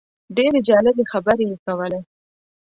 ډېرې جالبې خبرې یې کولې.